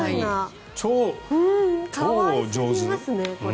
超上手。